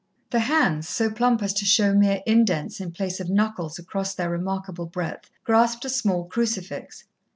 The hands, so plump as to show mere indents in place of knuckles across their remarkable breadth, grasped a small crucifix.